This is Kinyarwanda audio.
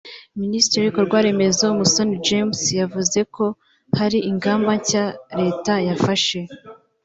Minisitiri w’ibikorwaremezo Musoni James yavuze ko hari ingamba nshya Leta yafashe